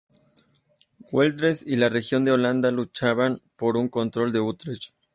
Güeldres y la región de Holanda luchaban por el control de Utrecht.